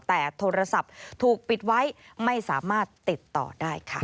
แต่โทรศัพท์ถูกปิดไว้ไม่สามารถติดต่อได้ค่ะ